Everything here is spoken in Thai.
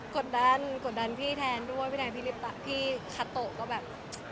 กดดันกดดันพี่แทนด้วยพี่แทนพี่ลิปตะพี่คาโตะก็แบบ